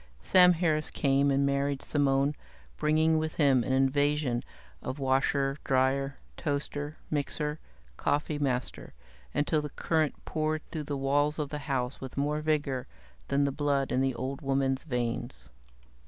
Sam Harris came and married Simone, bringing with him an invasion of washer, dryer, toaster, mixer, coffeemaster, until the current poured through the walls of the house with more vigor than the blood in the old woman's veins.